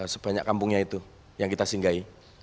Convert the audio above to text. sebanyak kampungnya itu yang kita singgahi